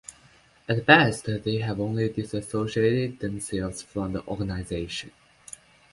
At best they have only disassociated themselves from the organization.